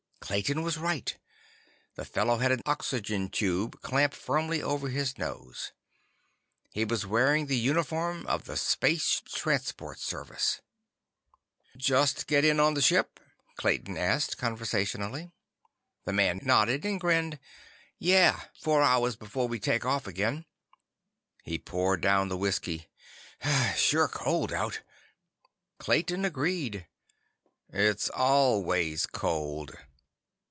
Clayton was right. The fellow had an oxygen tube clamped firmly over his nose. He was wearing the uniform of the Space Transport Service. "Just get in on the ship?" Clayton asked conversationally. The man nodded and grinned. "Yeah. Four hours before we take off again." He poured down the whiskey. "Sure cold out." Clayton agreed. "It's always cold."